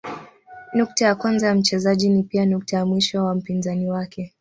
Nukta ya kwanza ya mchezaji ni pia nukta ya mwisho wa mpinzani wake.